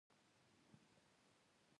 څوک چې وطن نه لري هغه بې ناموسه وي.